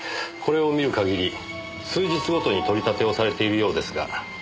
これを見る限り数日ごとに取り立てをされているようですが。